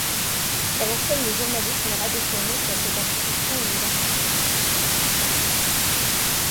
Elle enseigne le journalisme radiophonique à cette institution universitaire.